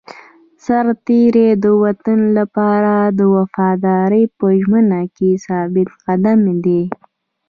سرتېری د وطن لپاره د وفادارۍ په ژمنه کې ثابت قدم دی.